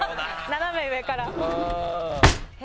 斜め上から。